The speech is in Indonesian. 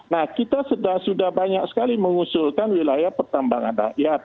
nah kita sudah banyak sekali mengusulkan wilayah pertambangan rakyat